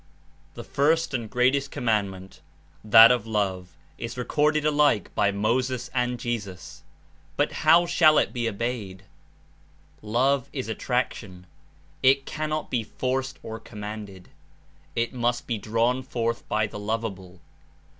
The first and greatest command Love's ment, that of love, is recorded alike by Inspiration Moses and Jesus, but how shall it be obeyed? Love is attraction; it cannot be forced or commanded; it must be drawn forth by the lovable.